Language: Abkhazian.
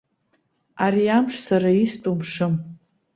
Ари амш сара истәу мшым.